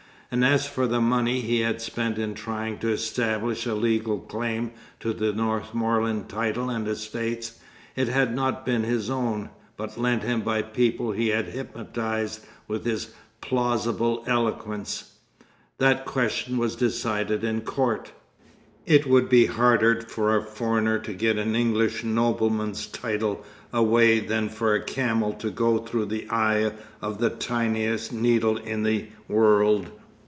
And as for the money he had spent in trying to establish a legal claim to the Northmorland title and estates, it had not been his own, but lent him by people he had hypnotized with his plausible eloquence. "That question was decided in court " "It would be harder for a foreigner to get an English nobleman's title away than for a camel to go through the eye of the tiniest needle in the world.